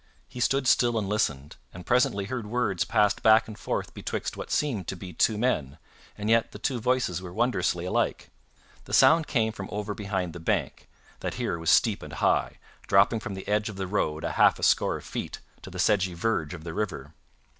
He stood still and listened, and presently heard words passed back and forth betwixt what seemed to be two men, and yet the two voices were wondrously alike. The sound came from over behind the bank, that here was steep and high, dropping from the edge of the road a half a score of feet to the sedgy verge of the river.